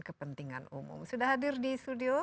kepentingan umum sudah hadir di studio